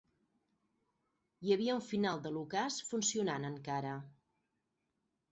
Hi havia un final de l'ocàs funcionant encara.